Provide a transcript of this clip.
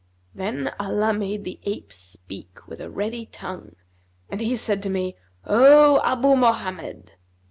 Then Allah made the ape speak with a ready tongue, and he said to me, 'O Abu Mohammed!'